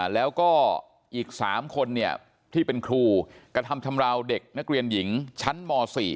แล้วก็อีก๓คนที่เป็นครูกระทำชำราวเด็กนักเรียนหญิงชั้นม๔